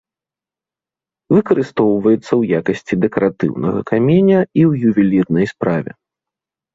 Выкарыстоўваецца ў якасці дэкаратыўнага каменя і ў ювелірнай справе.